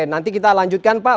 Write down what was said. nanti kita lanjutkan pak